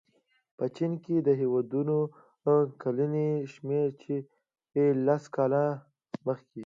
په چین کې د ودونو کلنی شمېر چې لس کاله مخې